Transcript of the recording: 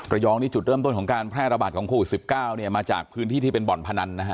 รองนี่จุดเริ่มต้นของการแพร่ระบาดของโควิด๑๙เนี่ยมาจากพื้นที่ที่เป็นบ่อนพนันนะฮะ